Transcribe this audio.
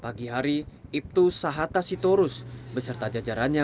pagi hari ibtu sahatta sitorus beserta jajarannya